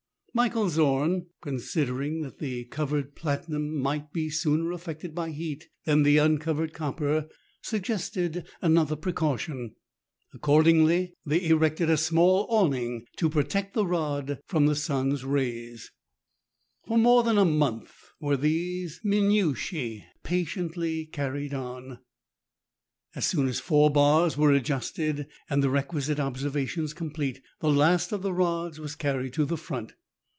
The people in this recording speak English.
Michael Zorn, considering that the covered platinum F 66 MERIDIANA; THE ADVENTURES OF might be sooner affected by heat than the uncovered copper, suggested another precaution : accordingly they erected a small awning to protect the rod from the sun's ra}^s. For more than a month were these minutiae patiently carried on. As soon as four bars were adjusted, and the requisite observations complete, the last of the rods was carried to the front.